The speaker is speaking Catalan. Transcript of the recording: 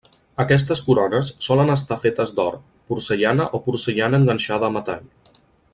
Aquestes corones solen estar fetes d'or, porcellana o porcellana enganxada a metall.